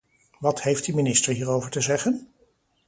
Wat heeft de minister hierover te zeggen?